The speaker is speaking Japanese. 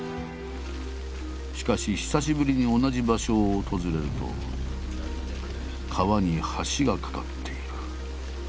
しかし久しぶりに同じ場所を訪れると川に橋が架かっている。